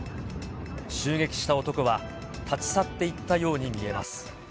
襲撃した男は立ち去っていったように見えます。